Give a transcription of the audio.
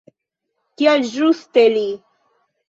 Kial ĝuste li?